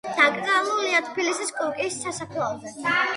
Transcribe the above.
დაკრძალულია თბილისში, კუკიის სასაფლაოზე.